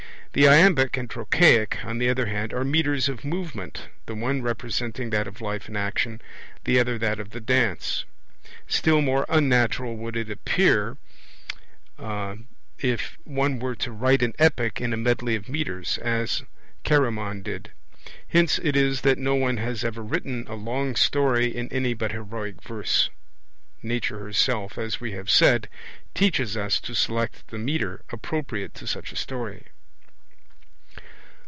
The iambic and trochaic, on the other hand, are metres of movement, the one representing that of life and action, the other that of the dance. Still more unnatural would it appear, it one were to write an epic in a medley of metres, as Chaeremon did. Hence it is that no one has ever written a long story in any but heroic verse; nature herself, as we have said, teaches us to select the metre appropriate to such a story.